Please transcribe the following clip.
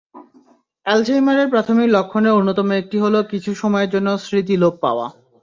আলঝেইমারের প্রাথমিক লক্ষণের অন্যতম একটি হলো কিছু সময়ের জন্য স্মৃতিলোপ পাওয়া।